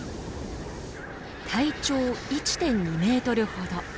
体長１．２メートルほど。